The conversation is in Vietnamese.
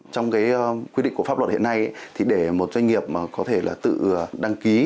trong quy định của pháp luật hiện nay để một doanh nghiệp có thể tự đăng ký